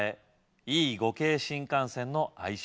Ｅ５系新幹線の愛称